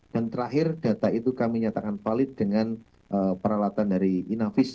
dan terakhir data itu kami nyatakan valid dengan peralatan dari inavis